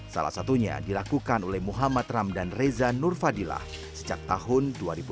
salah satunya dilakukan oleh muhammad ram dan reza nurfadilah sejak tahun dua ribu lima belas